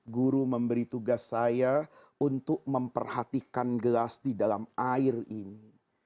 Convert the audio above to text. guru memberi tugas saya untuk memperhatikan gelas di dalam air ini